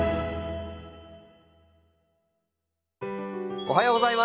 おはようございます。